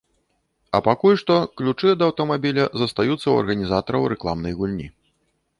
А пакуль што ключы ад аўтамабіля застаюцца ў арганізатараў рэкламнай гульні.